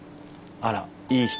あらいい人？